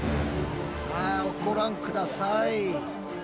さあご覧下さい。